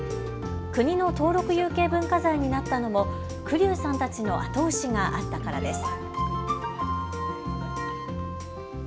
国の登録有形文化財になったのも栗生さんたちの後押しがあったからです。